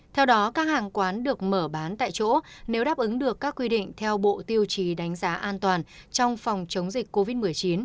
theo đó các hàng quán được mở bán tại chỗ nếu đáp ứng được các quy định theo bộ tiêu chí đánh giá an toàn trong phòng chống dịch covid một mươi chín